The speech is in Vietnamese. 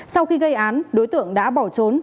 sau khi gây án đối tượng đã bỏ trốn